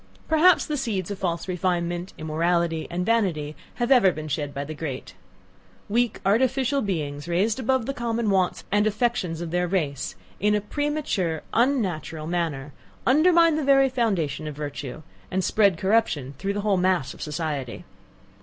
Perhaps the seeds of false refinement, immorality, and vanity have ever been shed by the great. Weak, artificial beings raised above the common wants and affections of their race, in a premature unnatural manner, undermine the very foundation of virtue, and spread corruption through the whole mass of society!